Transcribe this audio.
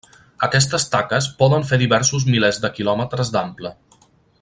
Aquestes taques poden fer diversos milers de quilòmetres d'ample.